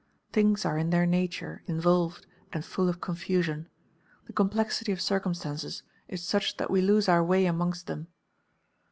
Things are in their nature involved and full of confusion; the complexity of circumstances is such that we lose our way amongst them.